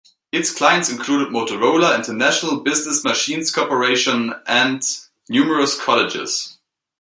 Its clients included Motorola, International Business Machines Corporation and numerous colleges.